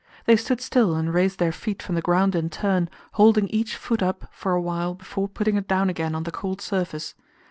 They stood still and raised their feet from the ground in turn, holding each foot up for a while before putting it down again on the cold surface.